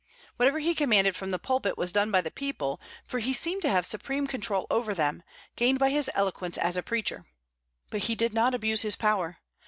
Whatever he commanded from the pulpit was done by the people, for he seemed to have supreme control over them, gained by his eloquence as a preacher. But he did not abuse his power.